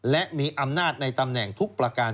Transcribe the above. และมีอำนาจในตำแหน่งทุกประการ